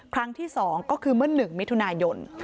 ครั้งที่๒ก็คือเมื่อ๑มิถุนายน